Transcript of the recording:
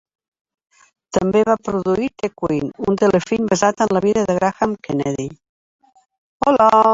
També va produir "The King", un telefilm basat en la vida de Graham Kennedy.